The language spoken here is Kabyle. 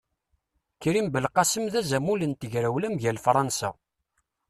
Krim Belqasem d azamul n tegrawla mgal Fransa.